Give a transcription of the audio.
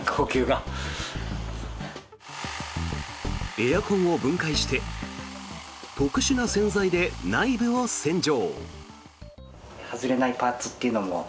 エアコンを分解して特殊な洗剤で内部を洗浄。